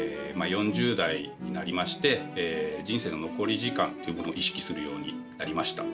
４０代になりまして人生の残り時間というものを意識するようになりました。